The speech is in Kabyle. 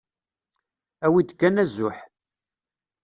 Awi-d kan azuḥ.